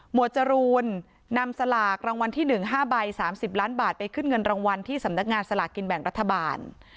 วดจรูนนำสลากรางวัลที่๑๕ใบ๓๐ล้านบาทไปขึ้นเงินรางวัลที่สำนักงานสลากกินแบ่งรัฐบาล